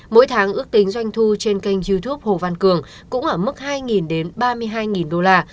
mỗi tháng ước tính doanh thu trên kênh youtube hồ văn cường cũng ở mức hai đến ba mươi hai đô la